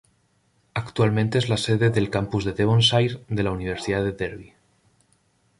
Actualmente es la sede del campus de Devonshire de la Universidad de Derby.